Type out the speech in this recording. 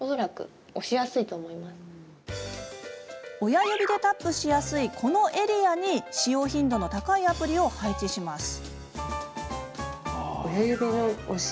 親指でタップしやすいこのエリアに使用頻度の高いアプリを配置します。